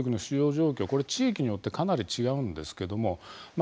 これ地域によってかなり違うんですけどもまあ